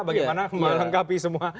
bagaimana melengkapi semua